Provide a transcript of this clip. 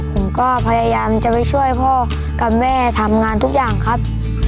ผมก็พยายามจะไปช่วยพ่อกับแม่ทำงานทุกอย่างครับ